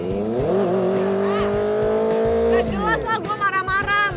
udah jelas lah gue marah marah